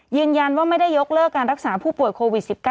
ยืนยันว่าไม่ได้ยกเลิกการรักษาผู้ป่วยโควิด๑๙